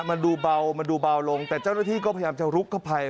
มันดูเบามันดูเบาลงแต่เจ้าหน้าที่ก็พยายามจะลุกเข้าไป